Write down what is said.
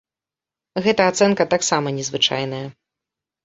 Гэта ацэнка таксама незвычайная.